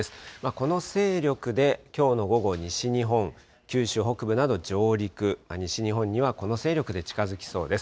この勢力で、きょうの午後、西日本、九州北部など上陸、西日本にはこの勢力で近づきそうです。